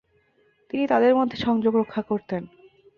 তিনি তাদের মধ্যে সংযোগ রক্ষা করতেন।